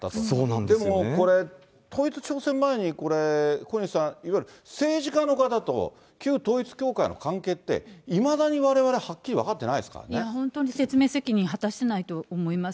でも、これ、統一地方選前に、これ、小西さん、いわゆる政治家の方と、旧統一教会の方の関係って、いまだにわれわれ、はっきり分かって本当に説明責任、果たしてないと思います。